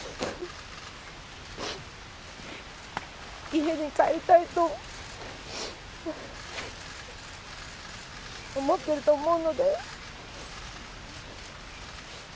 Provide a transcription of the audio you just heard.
家に帰りたいと思ってると思うので。